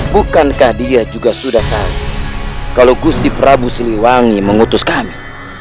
bukankah dia juga sudah tahu kalau gusti prabu siliwangi mengutus kami